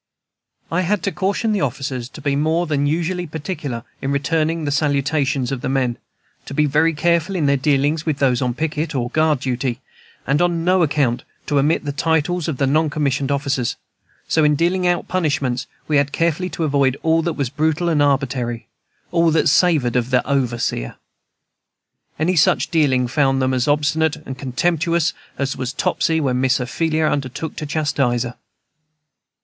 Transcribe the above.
I had to caution the officers to be more than usually particular in returning the salutations of the men; to be very careful in their dealings with those on picket or guard duty; and on no account to omit the titles of the non commissioned officers. So, in dealing out punishments, we had carefully to avoid all that was brutal and arbitrary, all that savored of the overseer. Any such dealing found them as obstinate and contemptuous as was Topsy when Miss Ophelia undertook to chastise her.